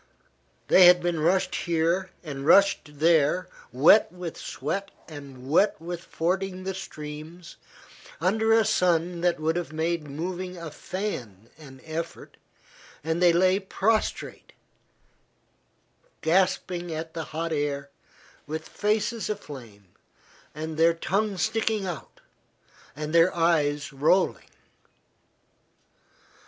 They had been rushed here and rushed there wet with sweat and wet with fording the streams, under a sun that would have made moving a fan an effort, and they lay prostrate, gasping at the hot air, with faces aflame, and their tongues sticking out, and their eyes rolling.